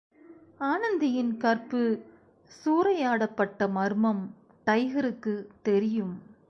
ஆனந்தியின் கற்பு சூறையாடப்பட்ட மர்மம் டைகருக்குத் தெரியும்.